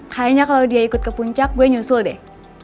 kayaknya kalau dia ikut ke puncak gue nyusul deh